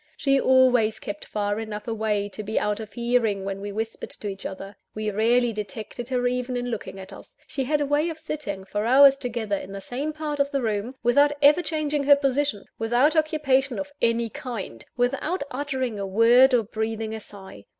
She always kept far enough away to be out of hearing when we whispered to each other. We rarely detected her even in looking at us. She had a way of sitting for hours together in the same part of the room, without ever changing her position, without occupation of any kind, without uttering a word, or breathing a sigh.